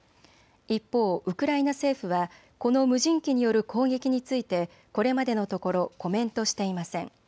一方、ウクライナ政府はこの無人機による攻撃についてこれまでのところコメントしていません。